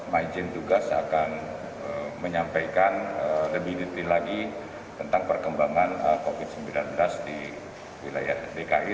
maijen tugas akan menyampaikan lebih detail lagi tentang perkembangan covid sembilan belas di wilayah dki